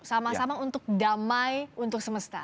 sama sama untuk damai untuk semesta